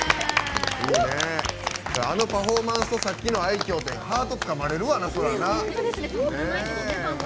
あのパフォーマンスとあの愛きょうハートつかまれるわな。